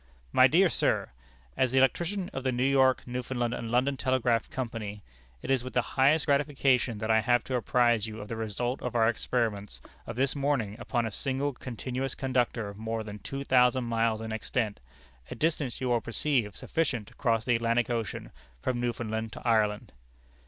"My dear Sir: As the electrician of the New York, Newfoundland, and London Telegraph Company, it is with the highest gratification that I have to apprise you of the result of our experiments of this morning upon a single continuous conductor of more than two thousand miles in extent, a distance you will perceive sufficient to cross the Atlantic Ocean, from Newfoundland to Ireland.